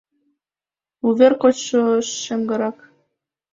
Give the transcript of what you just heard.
«Вувер кочшо шемгорак